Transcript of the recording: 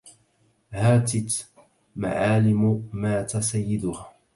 هاتت معالم مات سيدها